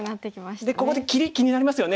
でここで切り気になりますよね。